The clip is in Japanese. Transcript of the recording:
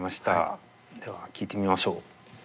では聴いてみましょう。